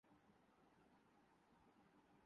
ایک امید سے دل بہلتا رہا